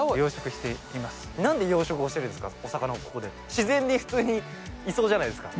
自然で普通にいそうじゃないですか。